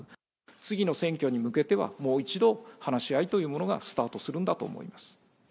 次の選挙に向けては、もう一度話し合いというものがスタートするんだと思います。